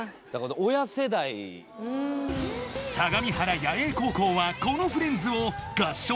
親世代相模原弥栄高校はこの「フレンズ」を合唱